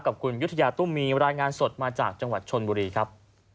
กับคุณยุธยาตุ้มมีรายงานสดมาจากจังหวัดชนบุรีครับ